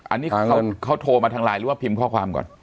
อันนี้เขาโทรมาทางไลน์หรือว่าพิมพ์ข้อความก่อน